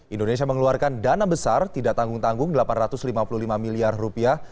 indonesia mengeluarkan dana besar tidak tanggung tanggung delapan ratus lima puluh lima miliar rupiah